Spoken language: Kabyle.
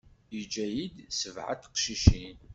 Yeǧǧa-yi-d sebɛa n teqcicin.